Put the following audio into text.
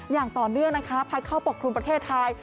อย่างต่อเนื่องนะคะพัดเข้าปกครุมประเทศไทย